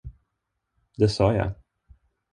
Det sa jag.